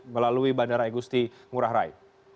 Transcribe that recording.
melalui bandara igusti ngurah rai